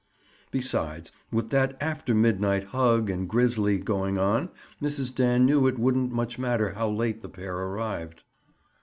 Besides, with that after midnight "hug" and "grizzly" going on, Mrs. Dan knew it wouldn't much matter how late the pair arrived.